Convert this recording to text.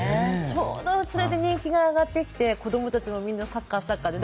ちょうどそれで人気が上がってきて子どもたちもみんなサッカーで。